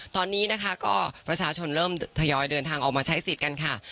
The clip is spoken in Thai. ตอนนี้นะคะก็ประชาชนเริ่มทยอยเดินทางออกมาใช้สิทธิ์กันค่ะ